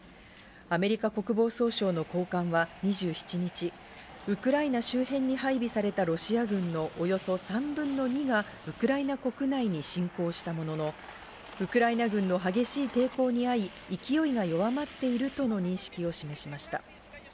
アメリカ国防総省の高官は２７日、ウクライナ周辺に配備されたロシア軍のおよそ３分の２がウクライナ国内に侵攻したものの、ウクライナ軍の激しい抵抗にあい、勢いが弱まっているとの認識を示しました。